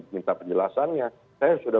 minta penjelasannya saya sudah